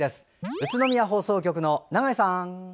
宇都宮放送局の長井さん。